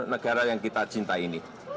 negara yang kita cinta ini